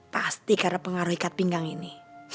pasti karena pengaruh ikat pinggang ini